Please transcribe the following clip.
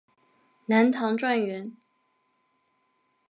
南唐状元。